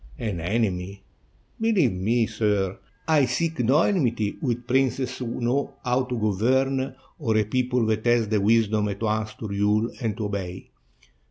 "An enemy! Believe me, sir, I seek no enmity with 47 ITALY princes who know how to govern, or a people that has the wisdom at once to rule and to obey."